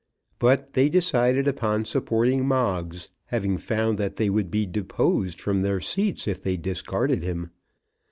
But they decided upon supporting Moggs, having found that they would be deposed from their seats if they discarded him.